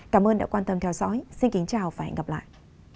cảm ơn đã quan tâm theo dõi xin kính chào và hẹn gặp lại